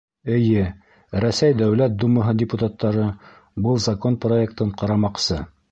Эйе, Рәсәй Дәүләт Думаһы депутаттары был закон проектын ҡарамаҡсы.